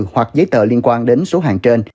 hoặc giấy tờ liên quan đến số hàng trên